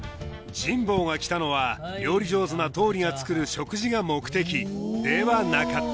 神保が来たのは料理上手な倒理が作る食事が目的ではなかった